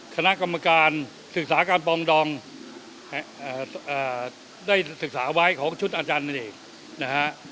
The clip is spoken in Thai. คณะกรรมการศึกษาการปองดองได้ศึกษาไว้ของชุดอาจารย์เนกนะฮะ